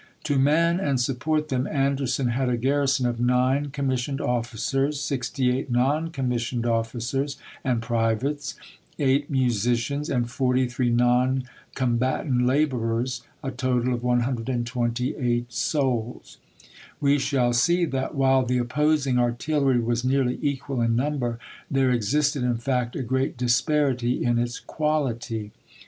To man and sup port them Anderson had a garrison of 9 com missioned officers, 68 non commissioned officers and privates, 8 musicians, and 43 non combatant laborers — a total of 128 souls. We shall see that while the opposing artillery was nearly equal in number, there existed, in fact, a great disparity in its quality.